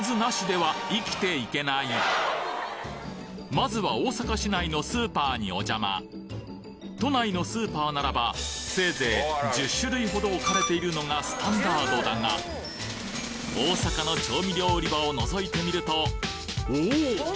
まずは大阪市内のスーパーにお邪魔都内のスーパーならばせいぜい１０種類ほど置かれているのがスタンダードだが大阪の調味料売り場を覗いてみるとおお！